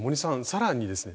さらにですね